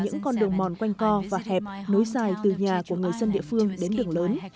những con đường mòn quanh co và hẹp nối dài từ nhà của người dân địa phương đến đường lớn